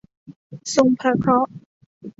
ส่งพระเคราะห์